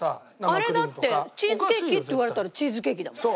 あれだってチーズケーキって言われたらチーズケーキだもん。